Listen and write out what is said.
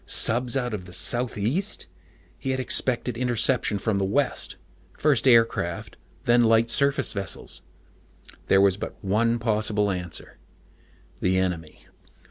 Subs out of the southeast? He had expected interception from the west first aircraft, then light surface vessels. There was but one possible answer: the enemy.